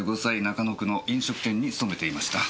中野区の飲食店に勤めていました。